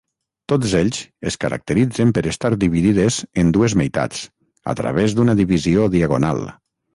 Tots ells es caracteritzen per estar dividides en dues meitats, a través d'una divisió diagonal.